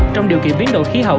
trong điều kiện biến đổi khí hậu